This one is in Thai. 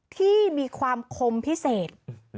ที่มีความคมพิเศษ